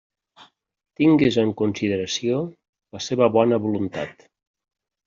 Tingues en consideració la seva bona voluntat!